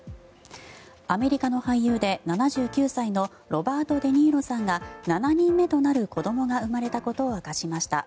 アメリカの俳優で７９歳のロバート・デ・ニーロさんが７人目となる子どもが生まれたことを明かしました。